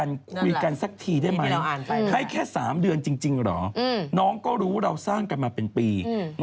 นั่นไง